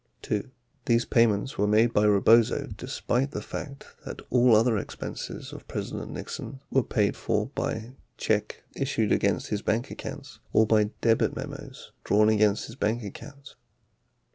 2. These payments were made by Rebozo despite the fact that all other expenses of President Nixon were paid for by check issued against Ids bank accounts or by debit memos drawn against his bank accounts.